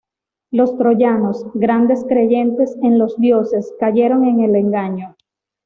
Los troyanos, grandes creyentes en los dioses, cayeron en el engaño.